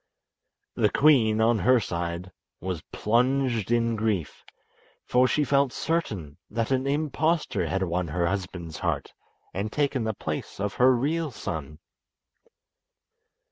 The queen, on her side, was plunged in grief, for she felt certain that an impostor had won her husband's heart and taken the place of her real son.